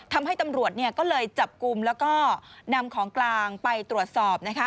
ทำให้ตำรวจก็เลยจับกลุ่มแล้วก็นำของกลางไปตรวจสอบนะคะ